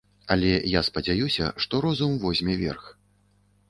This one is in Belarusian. Але я спадзяюся, што розум возьме верх.